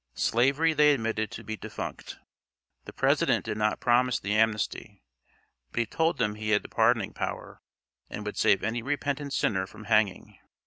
Slavery they admitted to be defunct. The President did not promise the amnesty, but he told them he had the pardoning power, and would save any repentant sinner from hanging.